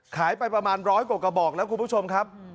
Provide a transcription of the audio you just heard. ไปประมาณร้อยกว่ากระบอกแล้วคุณผู้ชมครับ